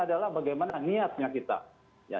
adalah bagaimana niatnya kita